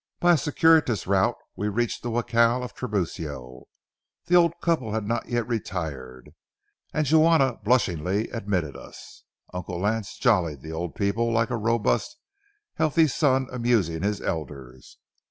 By a circuitous route we reached the jacal of Tiburcio. The old couple had not yet retired, and Juana blushingly admitted us. Uncle Lance jollied the old people like a robust, healthy son amusing his elders.